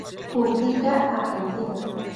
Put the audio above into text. Pública Argentina.